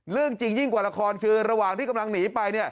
เรื่องจริงยิ่งกว่าละครคือระหว่างที่กำลังหนีไป